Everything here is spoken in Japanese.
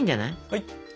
はい。